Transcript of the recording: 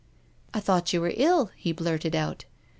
" I thought you were ill," he blurted out.